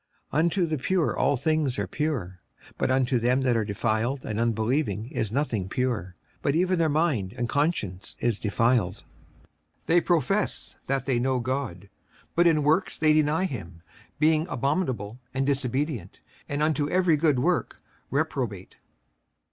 56:001:015 Unto the pure all things are pure: but unto them that are defiled and unbelieving is nothing pure; but even their mind and conscience is defiled. 56:001:016 They profess that they know God; but in works they deny him, being abominable, and disobedient, and unto every good work reprobate.